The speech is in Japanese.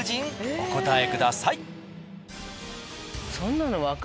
お答えください。